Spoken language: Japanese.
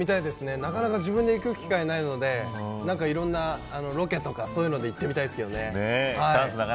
なかなか自分で行く機会がないのでロケとかそういうので行ってみたいですけどね。